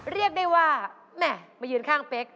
เรียกได้ว่าแหม่มายืนข้างเป๊ก